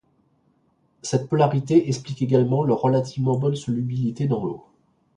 Cette polarité explique également leur relativement bonne solubilité dans l’eau.